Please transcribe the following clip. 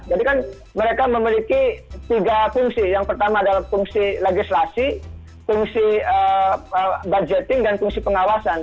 jadi kan mereka memiliki tiga fungsi yang pertama adalah fungsi legislasi fungsi budgeting dan fungsi pengawasan